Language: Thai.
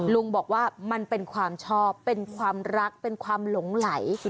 ลุงบอกว่ามันเป็นความชอบเป็นความรักเป็นความหลงไหล